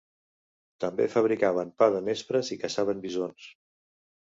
També fabricaven pa de nespres i caçaven bisons.